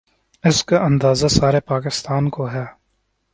، اس کا اندازہ سارے پاکستان کو ہے۔